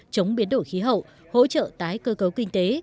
chống biến đổi khí hậu hỗ trợ tái cơ cấu kinh tế